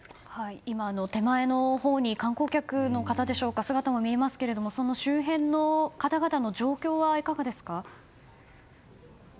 今、手前のほうに観光客の方でしょうか姿も見えますけれどもその周辺の方々の状況はいかがですか？